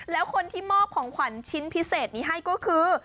แล้วคนที่มอบของขวัญชิ้นพิเศษนี้ให้ก็คือ